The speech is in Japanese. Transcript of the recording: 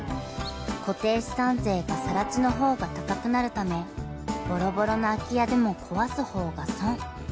［固定資産税がさら地の方が高くなるためボロボロの空き家でも壊す方が損］